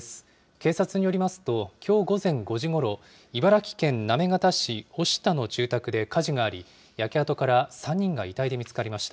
警察によりますと、きょう午前５時ごろ、茨城県行方市ほしたの住宅で火事があり、焼け跡から３人が遺体で見つかりました。